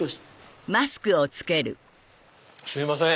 すいません。